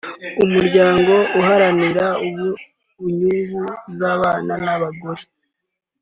umuryango uharanira inyungu z’abana n’abagore